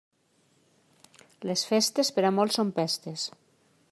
Les festes, per a molts són pestes.